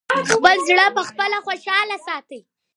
خپل زړه پخپله خوشاله ساتی!